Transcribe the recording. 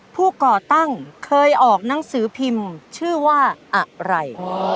ก่อตั้งเคยออกหนังสือพิมพ์ชื่อว่าอะไร